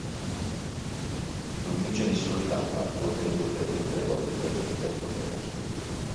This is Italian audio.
Non vince nessuna tappa, pur ottenendo per ben tre volte il terzo posto.